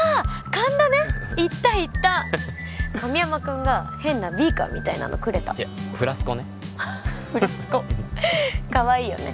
神田ね行った行った神山くんが変なビーカーみたいなのくれたいやフラスコねフラスコかわいいよね